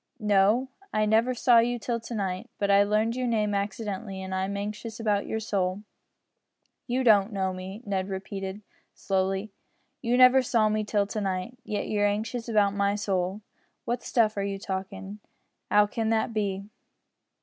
"No. I never saw you till to night, but I learned your name accidentally, and I'm anxious about your soul." "You don't know me," Ned repeated, slowly, "you never saw me till to night, yet you're anxious about my soul! What stuff are you talkin'! 'Ow can that be?"